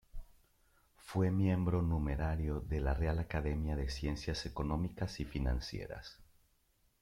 Fue miembro numerario de la Real Academia de Ciencias Económicas y Financieras.